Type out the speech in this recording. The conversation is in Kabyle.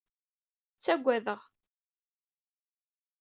Tettagad-aɣ.